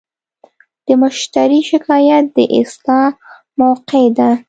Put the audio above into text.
د مشتری شکایت د اصلاح موقعه ده.